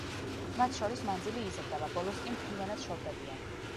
მათ შორის მანძილი იზრდება, ბოლოს კი მთლიანად შორდებიან.